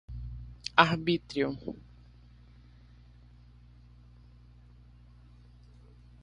arbítrio